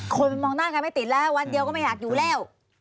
คนมันมองหน้ากันไม่ติดแล้ววันเดียวก็ไม่อยากอยู่แล้ว